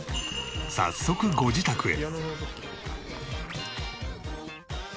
早速ご自宅へ。